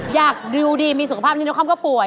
อยากดิวดีมีสุขภาพนี่น้องคอมก็ป่วย